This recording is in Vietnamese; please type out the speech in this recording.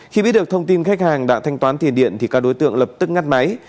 khi biết được thông tin khách hàng đã thanh toán tiền điện thì các đối tượng lập tức ngắt máy